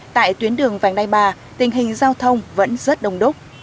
tại tuyến đường vành đai ba tình hình giao thông vẫn rất đông đúc